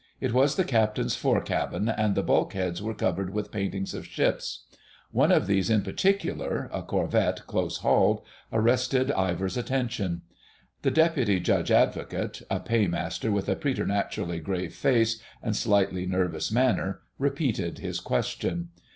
It was the Captain's fore cabin, and the bulkheads were covered with paintings of ships. One of these in particular—a corvette close hauled—arrested Ivor's attention. The Deputy Judge Advocate, a Paymaster with a preternaturally grave face and slightly nervous manner, repeated his question.